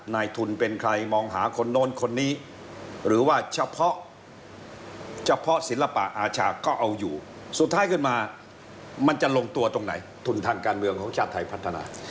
นายทุนเป็นใครมองหาคนโน้นคนนี้หรือว่าเฉพาะเฉพาะศิลปะอาชาก็เอาอยู่สุดท้ายขึ้นมามันจะลงตัวตรงไหนทุนทางการเมืองของชาติไทยพัฒนา